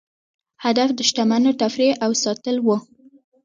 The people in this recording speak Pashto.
هدف د شتمنو تفریح او ساتل وو.